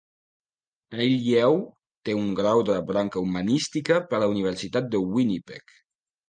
Taillieu té un grau de la branca humanística per la universitat de Winnipeg.